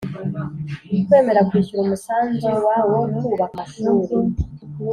Kwemera kwishyura umusanzu wa wo kubaka amashuri